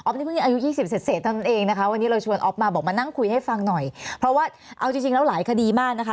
นี่เพิ่งอายุยี่สิบเสร็จเท่านั้นเองนะคะวันนี้เราชวนอ๊อฟมาบอกมานั่งคุยให้ฟังหน่อยเพราะว่าเอาจริงจริงแล้วหลายคดีมากนะคะ